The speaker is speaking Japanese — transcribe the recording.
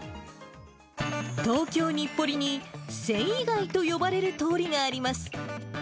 東京・日暮里に、繊維街と呼ばれる通りがあります。